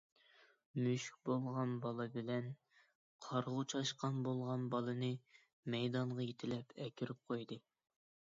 مۈشۈك بولغان بالا بىلەن قارىغۇ چاشقان بولغان بالىنى مەيدانغا يېتىلەپ ئەكىرىپ قويىدۇ.